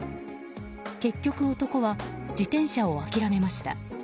結局、男は自転車を諦めました。